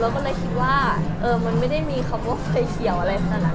เราก็เลยคิดว่ามันไม่ได้มีคำว่าไฟเขียวอะไรต่าง